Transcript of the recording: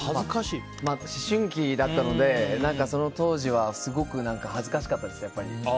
思春期だったのでその当時は、すごく恥ずかしかったですね。